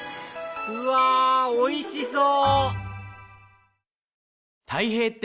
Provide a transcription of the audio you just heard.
うわおいしそう！